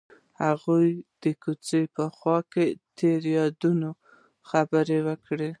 هغوی د کوڅه په خوا کې تیرو یادونو خبرې کړې.